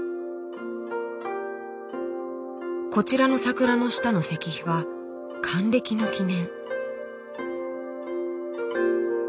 こちらの桜の下の石碑は還暦の記念。